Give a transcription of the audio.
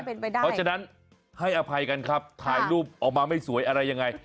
เพราะฉะนั้นให้อภัยกันครับถ่ายรูปออกมาไม่สวยอะไรยังไง